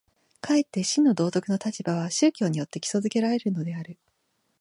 かえって真の道徳の立場は宗教によって基礎附けられるのである。